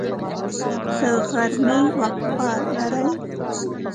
د غرمې وقفه لرئ؟